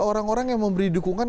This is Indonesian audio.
orang orang yang memberi dukungan